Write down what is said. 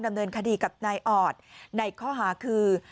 ดำเนินคดีกับนายออดในข้อหาคือ